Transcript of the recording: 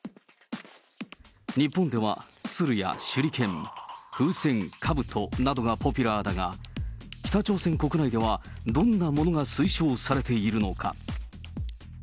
日本では、鶴や手裏剣、風船、かぶとなどがポピュラーだが、北朝鮮国内では、どんなものが推奨されているのか。